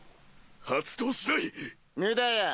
発動しない⁉無駄や。